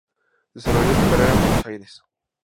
Desarrolló su carrera en Buenos Aires.